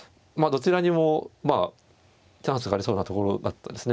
どちらにもチャンスがありそうなところだったですね。